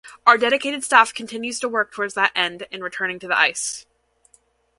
Our dedicated staff continues to work toward that end and returning to the ice.